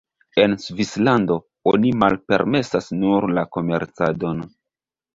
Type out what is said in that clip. En Svislando, oni malpermesas nur la komercadon.